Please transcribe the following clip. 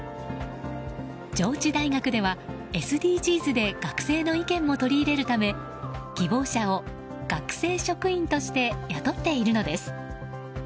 上智大学では、ＳＤＧｓで学生の意見も取り入れるため希望者を学生職員として雇っているのです。